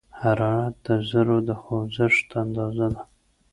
حرارت د ذرّو د خوځښت اندازه ده.